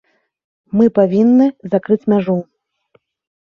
Мы павінны закрыць мяжу.